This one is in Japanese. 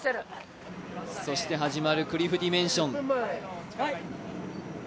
そして始まるクリフディメンション。